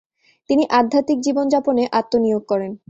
তিনি আধ্যাত্মিক জীবন যাপনে আত্ম নিয়োগ করেন।